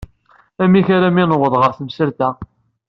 Amek armi newweḍ ɣer temsalt-a?